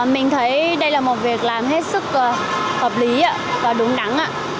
mình thấy đây là một việc làm hết sức hợp lý và đúng đắn